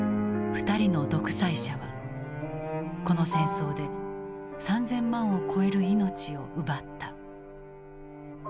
２人の独裁者はこの戦争で３０００万を超える命を奪った。